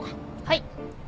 はい。